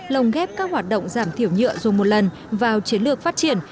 lồng ghép các hoạt động giảm thiểu nhựa dùng một lần vào chiến lược phát triển